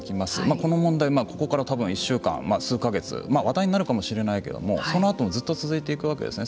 この問題、ここから多分１週間数か月話題になるかもしれないけどもそのあともずっと続いていくわけですね。